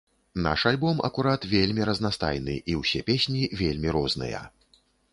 Наш альбом акурат вельмі разнастайны і ўсе песні вельмі розныя.